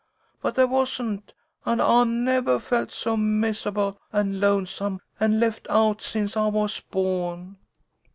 But there wasn't, and I nevah felt so misah'ble and lonesome and left out since I was bawn."